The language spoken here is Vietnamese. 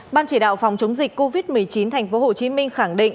ban chỉ đạo phòng chống dịch covid một mươi chín tp hcm khẳng định